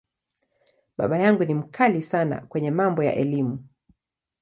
Baba yangu ni ‘mkali’ sana kwenye mambo ya Elimu.